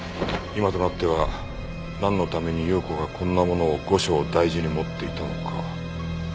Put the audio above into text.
今となってはなんのために有雨子がこんなものを後生大事に持っていたのか。